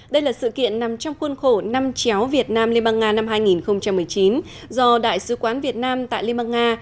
đây là sự kiện nằm trong khuôn khổ năm chéo việt nam liên bang nga năm hai nghìn một mươi chín do đại sứ quán việt nam tại liên bang nga